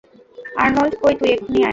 Arnold কই তুই, এক্ষুণি আয়।